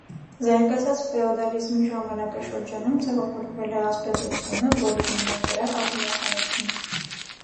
Զարգացած ֆեոդալիզմի ժամանակաշրջանում ձևավորվել է ասպետությունը, որի հիման վրա՝ ազնվականությունը։